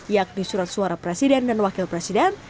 yakni surat suara presiden dan wakil presiden